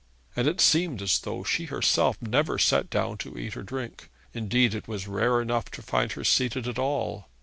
And it seemed as though she herself never sat down to eat or drink. Indeed, it was rare enough to find her seated at all.